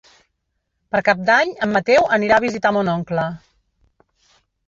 Per Cap d'Any en Mateu anirà a visitar mon oncle.